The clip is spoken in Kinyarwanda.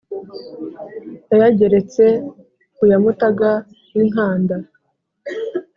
yayageretse ku ya mutaga w’i nkanda.